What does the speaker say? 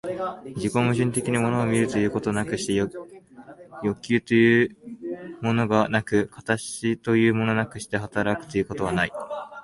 自己矛盾的に物を見るということなくして欲求というものがなく、形というものなくして働くということはない。